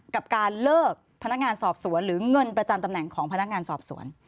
กับการเลิกพนักงานสอบสวนหรือเงินประจำตำแหน่งของพนักงานสอบสวน